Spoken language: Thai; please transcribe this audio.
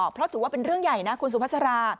เพราะถือว่าเป็นเรื่องใหญ่นะคุณสุภาษา